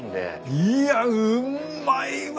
いやうんまいわ。